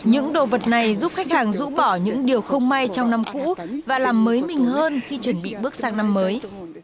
những đồ vật này giúp khách hàng rũ bỏ những điều không may trong năm cũ và làm mới mình hơn khi chuẩn bị bước sang năm mới